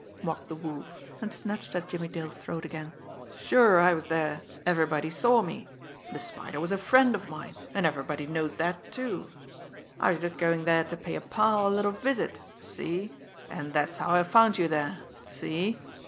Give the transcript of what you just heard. mocked the Wolf, and snatched at Jimmie Dale's throat again. "Sure, I was there everybody saw me! The Spider was a friend of mine, and everybody knows that, too. I was just going there to pay a pal a little visit see? And that's how I found you there see?